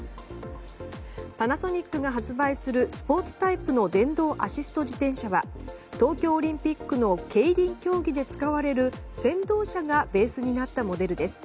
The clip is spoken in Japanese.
パナソニックが発売するスポーツタイプの電動アシスト自転車は東京オリンピックのケイリン競技で使われる先導車がベースになったモデルです。